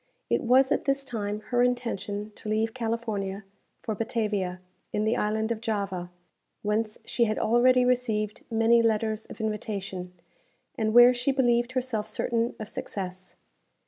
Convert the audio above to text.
It was, at this time, her intention to leave California for Batavia, in the Island of Java, whence she had already received many letters of invitation, and where she believed herself certain of success.